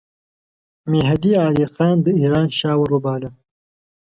مهدي علي خان د ایران شاه وروباله.